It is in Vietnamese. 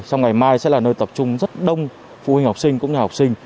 trong ngày mai sẽ là nơi tập trung rất đông phụ huynh học sinh cũng như học sinh